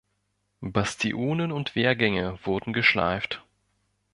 Bastionen und Wehrgänge wurden geschleift.